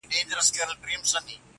ته کم عقل ته کومول څومره ساده یې-